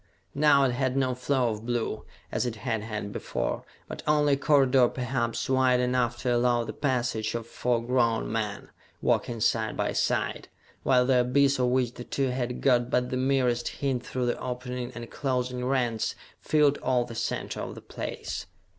Now it had no floor of blue, as it had had before, but only a corridor perhaps wide enough to allow the passage of four grown men, walking side by side, while the abyss of which the two had got but the merest hint through the opening and closing rents filled all the center of the place!